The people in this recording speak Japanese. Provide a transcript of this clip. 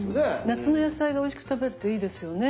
夏の野菜がおいしく食べれていいですよね。